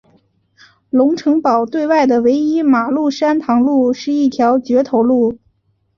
龙成堡对外的唯一马路山塘路是一条掘头路。